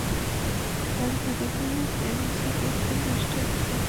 তাঁর ধারণা, টসংগা গোত্রের স্রষ্টা অতিপ্রাকৃত শক্তি টিলো তাঁকে ইঙ্গিত করছেন।